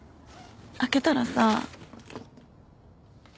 開けたらさ。